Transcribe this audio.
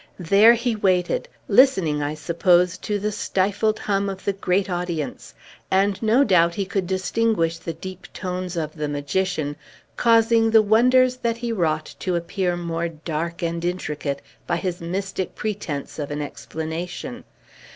There he waited, listening, I suppose, to the stifled hum of the great audience; and no doubt he could distinguish the deep tones of the magician, causing the wonders that he wrought to appear more dark and intricate, by his mystic pretence of an explanation.